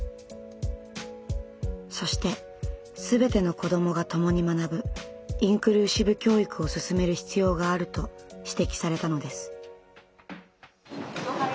そして全ての子どもが共に学ぶ「インクルーシブ教育」を進める必要があると指摘されたのです。